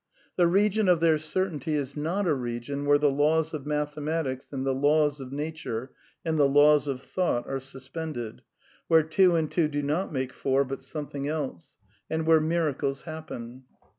^ The region of their certainty is not a region where the laws of mathematics, and the laws of nature, and the laws of thought are suspended ; where two and two do not make, four, but something else; and where miracles happen.